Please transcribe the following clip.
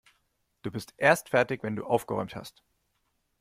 Du bist erst fertig, wenn du aufgeräumt hast.